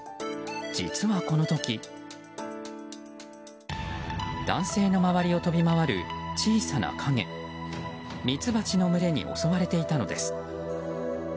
実はこの時男性の周りを飛び回る小さな影ミツバチに群れに襲われていたのです。